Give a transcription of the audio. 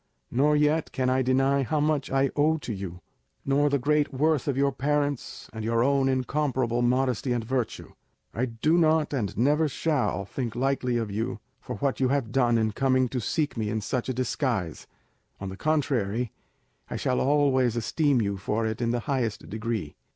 Nor yet can I deny how much I owe to you, nor the great worth of your parents and your own incomparable modesty and virtue. I do not, and never shall, think lightly of you for what you have done in coming to seek me in such a disguise; on the contrary, I shall always esteem you for it in the highest degree.